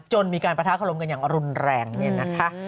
จนมีการประทะขลมกันอย่างรุนแรงเนี่ยนะคะ